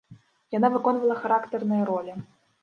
Яна выконвала характарныя ролі.